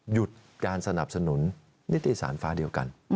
หยุดการสนับสนุนนิติสารฟ้าเดียวกัน